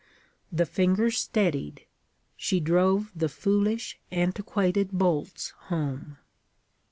The fingers steadied; she drove the foolish, antiquated bolts home.